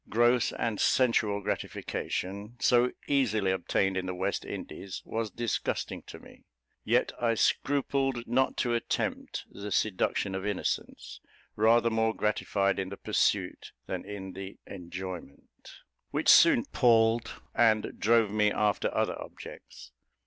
Gross and sensual gratification, so easily obtained in the West Indies, was disgusting to me; yet I scrupled not to attempt the seduction of innocence, rather more gratified in the pursuit than in the enjoyment, which soon palled, and drove me after other objects.